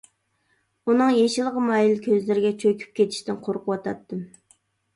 ئۇنىڭ يېشىلغا مايىل كۆزلىرىگە چۆكۈپ كېتىشتىن قورقۇۋاتاتتىم.